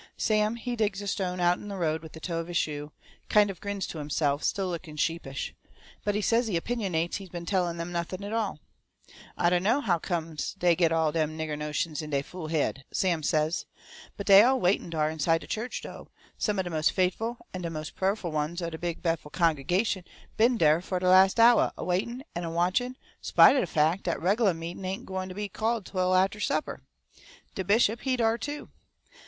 Sam, he digs a stone out'n the road with the toe of his shoe, and kind of grins to himself, still looking sheepish. But he says he opinionates he been telling them nothing at all. "I dunno how come dey get all dem nigger notions in dey fool haid," Sam says, "but dey all waitin' dar inside de chu'ch do' some of de mos' faiful an' de mos' pra'rful ones o' de Big Bethel cong'gation been dar fo' de las' houah a waitin' an' a watchin', spite o' de fac' dat reg'lah meetin' ain't gwine ter be called twell arter supper. De bishop, he dar too.